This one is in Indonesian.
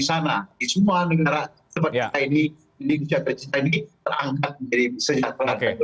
terangkat menjadi senjata rakyat